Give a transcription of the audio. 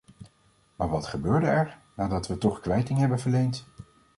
Maar wat gebeurde er, nadat we toch kwijting hebben verleend?